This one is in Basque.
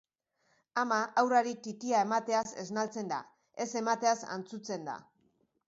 Ama haurrari titia emateaz esnaltzen da; ez emateaz antzutzen da.